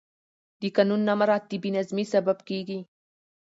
د قانون نه مراعت د بې نظمي سبب کېږي